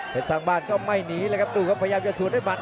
เป็นสร้างบ้านก็ไม่หนีเลยครับดูครับพยายามจะสวนด้วยหมัด